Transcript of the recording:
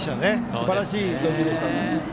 すばらしい投球でした。